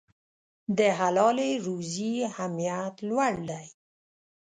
د حلالې روزي اهمیت لوړ دی.